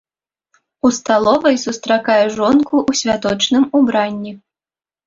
У сталовай сустракае жонку ў святочным убранні.